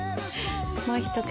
もう一口。